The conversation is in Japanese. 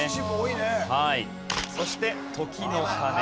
そして時の鐘。